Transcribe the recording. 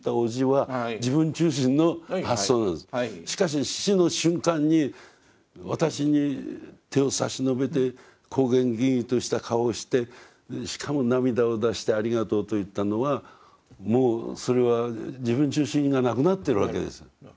しかし死の瞬間に私に手を差し伸べて光顔巍々とした顔をしてしかも涙を出して「ありがとう」と言ったのはもうそれは自分中心がなくなってるわけです。ね。